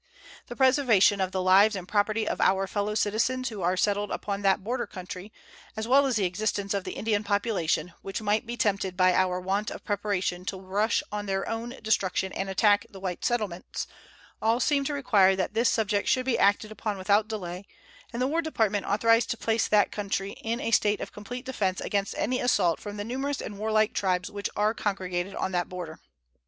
The preservation of the lives and property of our fellow citizens who are settled upon that border country, as well as the existence of the Indian population, which might be tempted by our want of preparation to rush on their own destruction and attack the white settlements, all seem to require that this subject should be acted upon without delay, and the War Department authorized to place that country in a state of complete defense against any assault from the numerous and warlike tribes which are congregated on that border.